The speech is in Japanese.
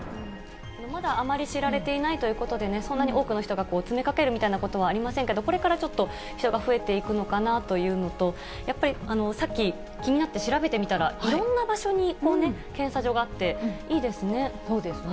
まだあまり知られていないということでね、そんなに多くの人が詰めかけるみたいなことはありませんけど、これからちょっと人が増えていくのかなというのと、やっぱりさっき、気になって調べてみたら、いろんな場所に検査場があって、いいでそうですね。